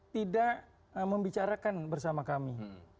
tidak membicarakan bersama kami